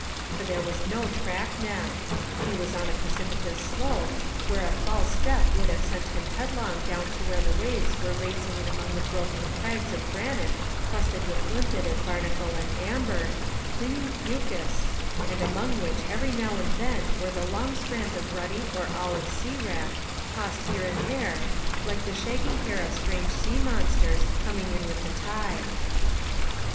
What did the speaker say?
For there was no track now ; he was on a precipitous slope, where a false step would have sent him headlong down to where the waves were racing in among the broken crags of granite crusted with limpet and barnacle, and amber, clinging fucus, and among which every now and then were the long strands of ruddy or olive sea wrack tossed here and there, like the shaggy hair of strange sea monsters, coming in with the tide.